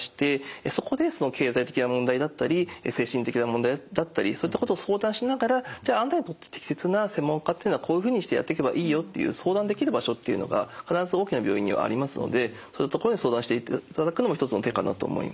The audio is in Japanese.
そこでその経済的な問題だったり精神的な問題だったりそういったことを相談しながらじゃああなたにとって適切な専門家というのはこういうふうにしてやっていけばいいよっていう相談できる場所っていうのが必ず大きな病院にはありますのでそういう所に相談していただくのも一つの手かなと思います。